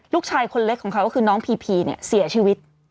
ลูกชายคนเล็กของเขาก็คือน้องพีพีเนี่ยเสียชีวิต